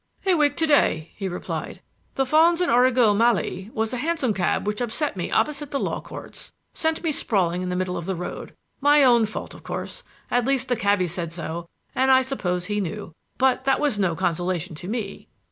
"A week to day," he replied. "The fons et origo mali was a hansom cab which upset me opposite the Law Courts sent me sprawling in the middle of the road. My own fault, of course at least, the cabby said so, and I suppose he knew. But that was no consolation to me."